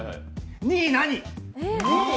２位は何？